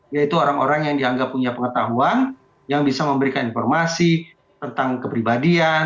yaitu orang orang yang dianggap punya pengetahuan yang bisa memberikan informasi tentang kepribadian